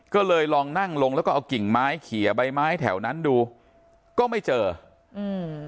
ก็เลยลองนั่งลงแล้วก็เอากิ่งไม้เขียใบไม้แถวนั้นดูก็ไม่เจออืม